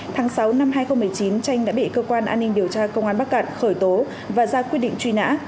tháng sáu năm hai nghìn một mươi chín tranh đã bị cơ quan an ninh điều tra công an bắc cạn khởi tố và ra quyết định truy nã